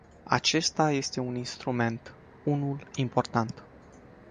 Acesta este un instrument, unul important.